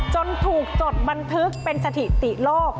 จนถูกจดบันทึกเป็นสถิติโลก